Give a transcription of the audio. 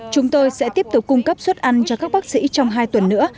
chúng tôi sẽ tiếp tục cung cấp suất ăn cho các bác sĩ trong hai tuần nữa